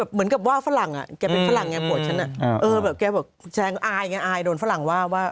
เหมือนกับว่าฝรั่ง